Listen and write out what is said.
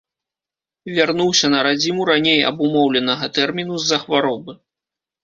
Вярнуўся на радзіму раней абумоўленага тэрміну з-за хваробы.